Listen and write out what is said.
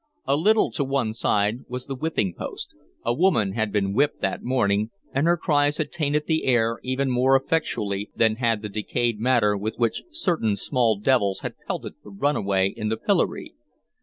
A little to one side was the whipping post: a woman had been whipped that morning, and her cries had tainted the air even more effectually than had the decayed matter with which certain small devils had pelted the runaway in the pillory.